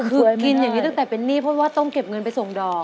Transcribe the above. คือกินอย่างนี้ตั้งแต่เป็นหนี้เพราะว่าต้องเก็บเงินไปส่งดอก